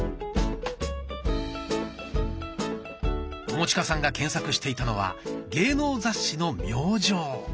友近さんが検索していたのは芸能雑誌の「明星」。